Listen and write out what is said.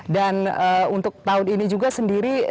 dan untuk tahun ini juga sendiri